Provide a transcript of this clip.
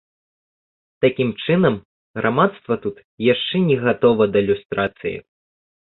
Такім чынам, грамадства тут яшчэ не гатова да люстрацыі.